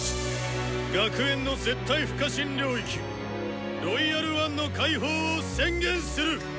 学園の絶対不可侵領域「ロイヤル・ワン」の開放を宣言する！